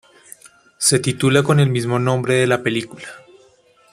Se titula con el mismo nombre de la película.